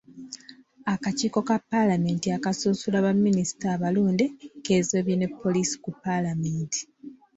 Akakiiko ka Paalamenti akasunsula baminisita abalonde keezoobye ne poliisi ku paalamenti.